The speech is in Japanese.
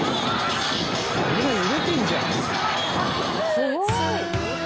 すごい。